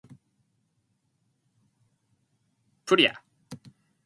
It evolved into the modern British currency, the pound sterling.